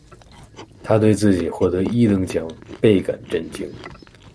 他对自己获得一等奖倍感震惊。